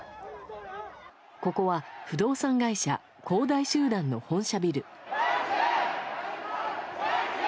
ここは、不動産会社恒大集団の本社ビル。